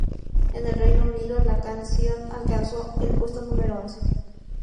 En el Reino Unido, la canción alcanzó el puesto número once.